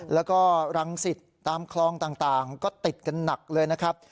แล้วก็รังสิตตามคลองต่างก็ติดกันหนักเลยนะครับ